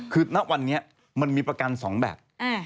คือณวันนี้มันมีประกัน๒แบบ